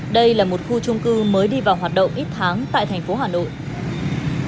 hãy đăng ký kênh để ủng hộ kênh của chúng mình nhé